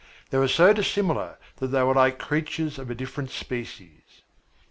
They were so dissimilar that they were like creatures of a different species.